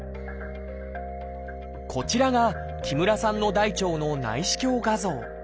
こちらが木村さんの大腸の内視鏡画像。